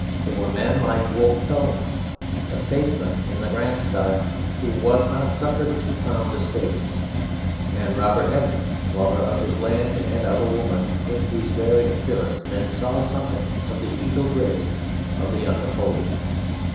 They were men like Wolfe Tone, a statesman in the grand style who was not suffered to found a state; and Robert Emmet, lover of his land and of a woman, in whose very appearance men saw something of the eagle grace of the young Napoleon.